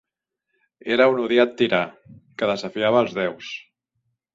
Era un odiat tirà, que desafiava als déus.